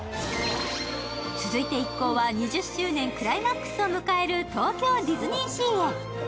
続いて、一行は、２０周年クライマックスを迎える東京ディズニーシーへ。